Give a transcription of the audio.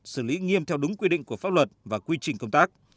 xử lý nghiêm theo đúng quy định của pháp luật và quy trình công tác